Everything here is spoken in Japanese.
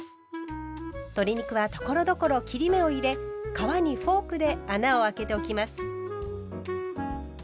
鶏肉はところどころ切り目を入れ皮にフォークで穴をあけておきます。